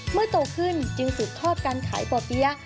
เมื่อโตขึ้นจิลสุดทอดการขายป่อเปี้ย